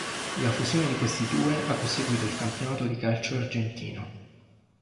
La fusione di questi due, ha costituito il campionato di calcio argentino.